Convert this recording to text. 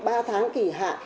ba tháng kỳ hạn là lãi xuất